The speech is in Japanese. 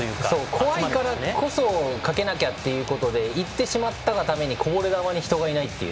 怖いからこそかけなきゃということで行ってしまったがためにこぼれ球に人がいないという。